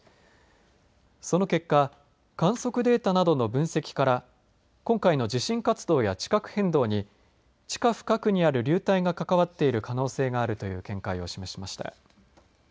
その結果観測データなどの分析から今回の地震活動や地殻変動に地下深くにある流体が関わっている可能性があるという見解を示しました。